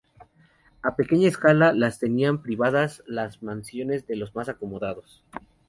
A pequeña escala las tenían privadas las mansiones de los más acomodados.